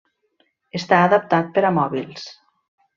Està adaptat per a mòbils.